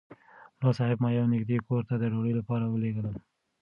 ملا صاحب ما یو نږدې کور ته د ډوډۍ لپاره ولېږلم.